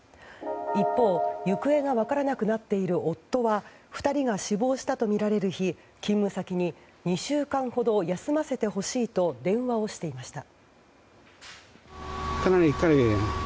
一方、行方が分からなくなっている夫は２人が死亡したとみられる日勤務先に２週間ほど休ませてほしいと電話をしていました。